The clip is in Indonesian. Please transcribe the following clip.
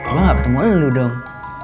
gue gak ketemu lo dong